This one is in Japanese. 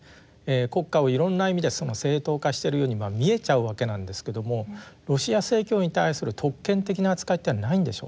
国家をいろんな意味で正当化しているように見えちゃうわけなんですけどもロシア正教に対する特権的な扱いってないんでしょうか？